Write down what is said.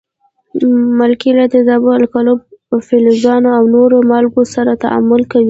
مالګې له تیزابو، القلیو، فلزونو او نورو مالګو سره تعامل کوي.